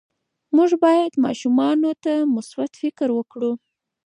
موږ باید ماشومانو ته مثبت فکر ورکړو.